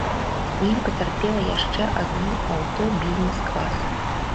У ім пацярпела яшчэ адно аўто бізнес-класа.